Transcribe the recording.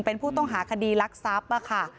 เป็นผู้ต้องหาคดีรักทรัพย์ค่ะ